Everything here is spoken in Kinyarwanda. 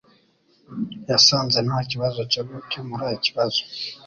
Yasanze nta kibazo cyo gukemura ikibazo.